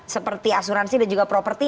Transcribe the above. seperti asuransi dan juga properti